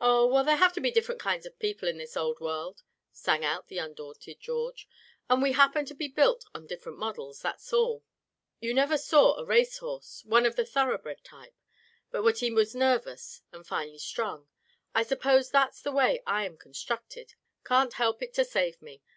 "Oh! well, there have to be different kinds of people in this old world," sang out the undaunted George, "and we happen to be built on different models, that's all. You never saw a race horse, one of the thoroughbred type, but what he was nervous, and finely strung. I suppose that's the way I am constructed. Can't help it, to save me.